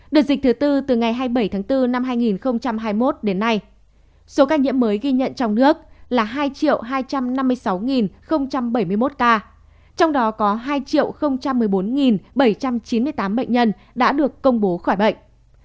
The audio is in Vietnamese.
đợt dịch thứ tư từ ngày hai mươi bảy tháng bốn năm hai nghìn hai mươi một đến nay số ca nhiễm mới ghi nhận trong nước là hai hai trăm năm mươi sáu bảy mươi một ca trong đó có hai một mươi bốn bảy trăm chín mươi tám bệnh nhân đã được công bố khỏi bệnh